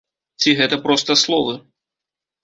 Ці гэта проста словы?